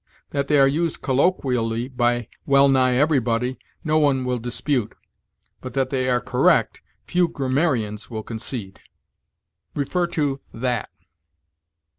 That they are used colloquially by well nigh everybody, no one will dispute; but that they are correct, few grammarians will concede. See THAT.